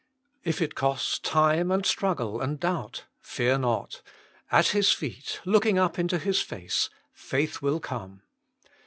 If it cost time, and struggle, and doubt fear not ; at His feet, looking up into His face, faith will come.